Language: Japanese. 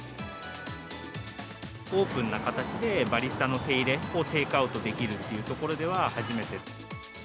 オープンな形で、バリスタの手いれをテイクアウトできるっていうところでは初めて。